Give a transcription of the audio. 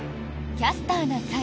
「キャスターな会」。